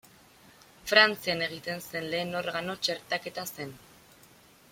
Frantzian egiten zen lehen organo-txertaketa zen.